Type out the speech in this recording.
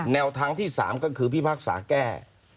แนวทางที่๓ก็คือพิพากษาแก้